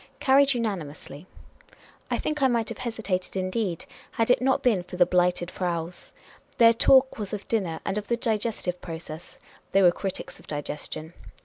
Carried unanimously. I think I might have hesitated, indeed, had it not been for the Blighted Fraus. Their talk was of dinner and of the digestive pro cess ; they were critics of digestion.